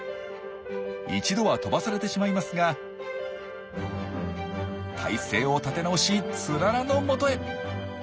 一度は飛ばされてしまいますが体勢を立て直しツララのもとへ。